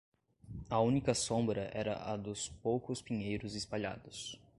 A única sombra era a dos poucos pinheiros espalhados.